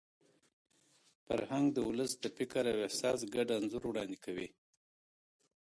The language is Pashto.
فرهنګ د ولس د فکر او احساس ګډ انځور وړاندې کوي.